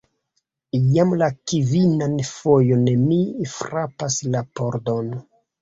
Jam la kvinan fojon mi frapas la pordon!